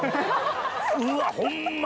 うわホンマ